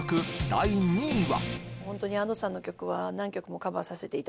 第２位は？